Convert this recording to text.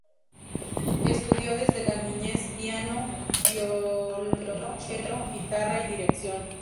Estudió desde la niñez piano, violonchelo, guitarra y dirección.